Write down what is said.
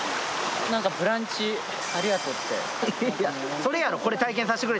なんか「ブランチ」、ありがとうって思った。